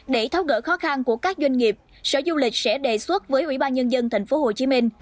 để tháo gỡ khó khăn của các doanh nghiệp sở du lịch sẽ đề xuất với ủy ban nhân dân thành phố hồ chí minh